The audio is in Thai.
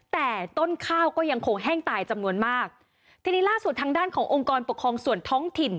แต่ต้นข้าวก็ยังคงแห้งตายจำนวนมากทีนี้ล่าสุดทางด้านขององค์กรปกครองส่วนท้องถิ่น